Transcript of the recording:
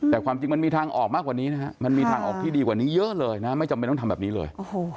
แต่ความจริงมันมีทางออกมากว่านี้นะฮะมันมีทางออกที่ดีกว่านี้เยอะเลยนะไม่จำเป็นต้องทำแบบนี้เลย